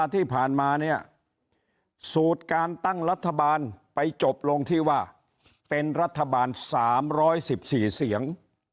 ที่ผ่านมาเนี่ยสูตรการตั้งรัฐบาลไปจบลงที่ว่าเป็นรัฐบาล๓๑๔เสียง